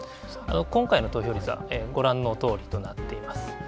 今回の投票率はご覧のとおりとなっています。